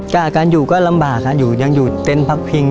การอยู่ก็ลำบากค่ะอยู่ยังอยู่เต้นพักพิง